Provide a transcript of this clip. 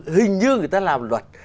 hình như người ta làm luật